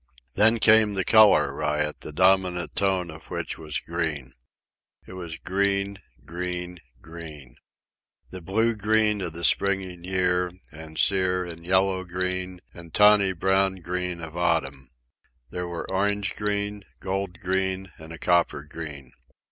Then came the colour riot, the dominant tone of which was green. It was green, green, green—the blue green of the springing year, and sere and yellow green and tawny brown green of autumn. There were orange green, gold green, and a copper green.